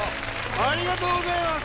ありがとうございます！